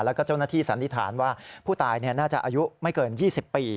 แล้วก็เจ้าหน้าที่สันนิษฐานว่าผู้ตายน่าจะอายุไม่เกิน๒๐ปี